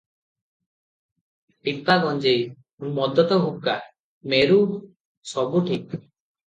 ଟିପା ଗଞ୍ଜେଇ – ମଦତ ହୁକା – ମେରୁ, ସବୁ ଠିକ୍ ।